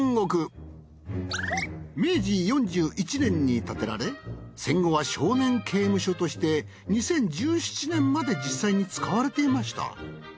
明治４１年に建てられ戦後は少年刑務所として２０１７年まで実際に使われていました。